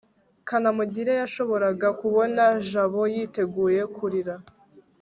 kanamugire yashoboraga kubona jabo yiteguye kurira